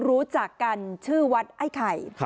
รู้จักกันชื่อวัดไอ้ไข่